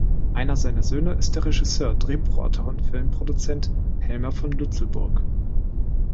Einer seiner Söhne ist der Regisseur, Drehbuchautor und Filmproduzent Helmer von Lützelburg.